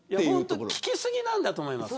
聞き過ぎなんだと思いますよ。